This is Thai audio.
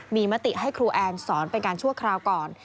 มีมติให้ครูแอนสอนเป็นการชั่วคราวก่อน